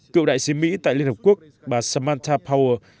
cựu đại sứ mỹ tại liên hợp quốc bà samantha powell